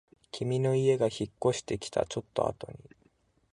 君の家が引っ越してきたちょっとあとに